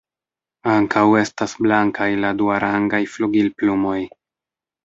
Ankaŭ estas blankaj la duarangaj flugilplumoj.